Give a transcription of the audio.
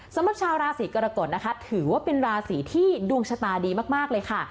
สำหรับชาวราศีกรกฎนะคะถือว่าเป็นราศีที่ดวงชะตาดีมากเลยค่ะ